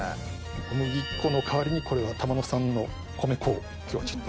小麦粉の代わりにこれは玉野産の米粉を今日は。